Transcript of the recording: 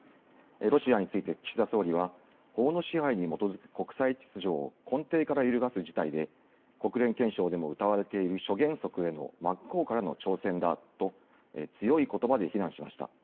ロシアについて岸田総理大臣は法の支配に基づく国際秩序を根底から揺るがす事態で国連憲章でもうたわれている諸原則への真っ向からの挑戦だと強いことばで非難しました。